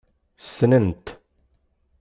Ssnen-t.